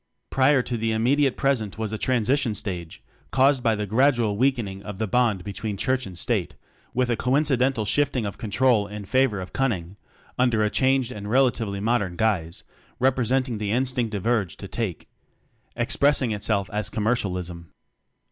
Prior to the immediate present was a transition stage caused by the gradual weakening of the bond be tween Church and State, with a coincidental shifting of control favor of Cunning (under a changed and relatively modern guise repre senting the instinctive Urge Take) expressing itself as Commer cialism.